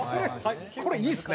これいいですね。